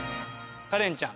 カレンちゃん